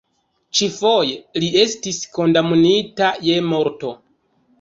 Ĉi-foje, li estis kondamnita je morto.